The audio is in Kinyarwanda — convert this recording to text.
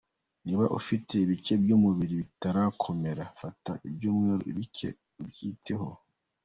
Niba ufite ibice by’umubiri bitarakomera, fata ibyumweru bike ubyiteho.